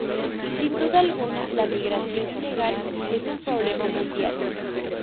Sin duda alguna la migración ilegal es un problema mundial.